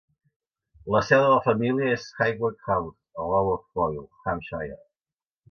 La seu de la família és Highway House, a Lower Froyle, Hampshire.